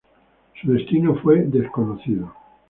Su destino fue desconocido.